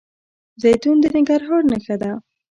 زیتون د ننګرهار نښه ده.